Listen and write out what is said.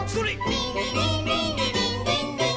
「リンリリンリンリリンリンリン」